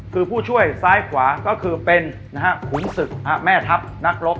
คือผู้ช่วยซ้ายขวาก็คือเป็นขุนศึกแม่ทัพนักรบ